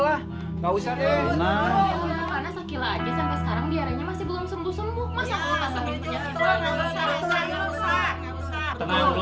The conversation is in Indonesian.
masa kalau pasangin penyakit